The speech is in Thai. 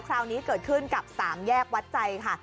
คราวนี้เกิดขึ้นกับ๓แยกวัดใจค่ะ